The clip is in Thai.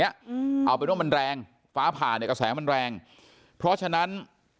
อืมเอาเป็นว่ามันแรงฟ้าผ่าเนี้ยกระแสมันแรงเพราะฉะนั้น